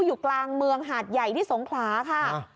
อยู่กลางเมืองหาดใหญ่ที่สงขลาค่ะ